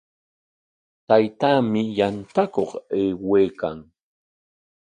Taytaami yantakuq aywaykan.